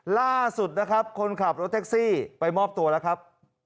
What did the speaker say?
ล่าสุดนะครับคนขับรถแท็กซี่ไปมอบตัวแล้วครับ